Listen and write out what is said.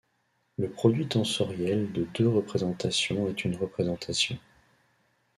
Le produit tensoriel de deux représentations est une représentation.